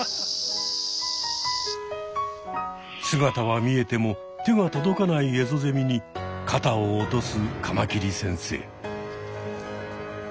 姿は見えても手が届かないエゾゼミにかたを落とすカマキリ先生。